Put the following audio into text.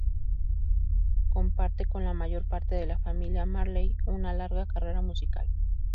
Comparte con la mayor parte de la familia Marley una larga carrera musical.